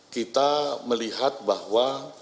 kita melihat bahwa